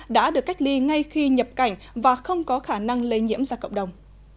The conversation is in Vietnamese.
đã được cách ly ngay khi nhập cảnh và không có khả năng lây nhiễm ra cộng đồng